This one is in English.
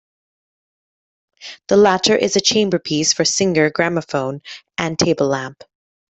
The latter is a chamber piece for singer, gramophone and table lamp.